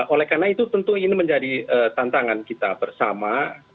oleh karena itu tentu ini menjadi tantangan kita bersama